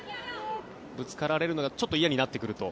ぶつかられるのがちょっと嫌になってくると。